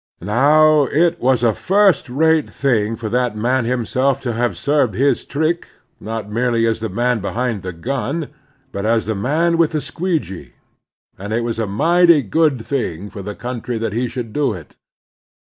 Now, it was a first rate thing for that man him self to have served his trick, not merely as the man behind the gun, but as the man with the squeegee ; and it was a mighty good thing for the country that he should do it.